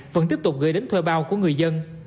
vẫn tiếp tục gây đến thơ bao của người dân